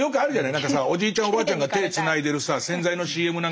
何かさおじいちゃんがおばあちゃんが手つないでる洗剤のＣＭなんか見るとさ